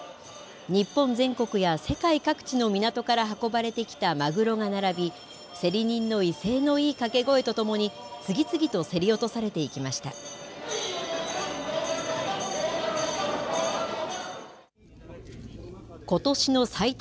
日本全国や世界各地の港から運ばれてきたマグロが並び、競り人の威勢のいい掛け声とともに、次々と競り落とされていきました。